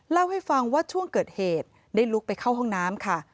เล่าให้ฟังว่าช่วงเกิดเหตุได้ลุกไปเข้าห้องน้ำค่ะ